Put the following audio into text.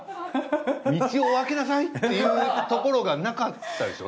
道をあけなさい！っていうところがなかったでしょ？